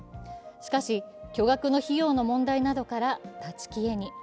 しかし、巨額の費用の問題などから立ち消えに。